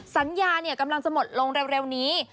สัญญากำลังจะหมดลงเร็วนี้